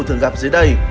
thường gặp dưới đây